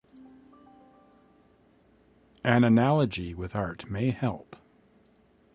An analogy with art may help.